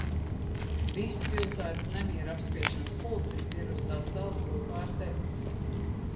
Visi pilsētas nemieru apspiešanas policisti ir uz tās salas kopā ar tevi!